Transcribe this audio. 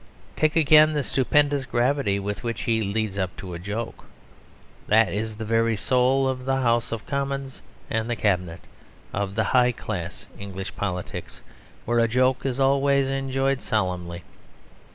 Take again the stupendous gravity with which he leads up to a joke. That is the very soul of the House of Commons and the Cabinet, of the high class English politics, where a joke is always enjoyed solemnly.